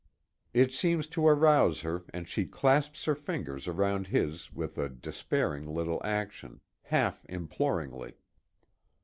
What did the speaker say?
It seems to arouse her, and she clasps her fingers around his with a despairing little action, half imploringly.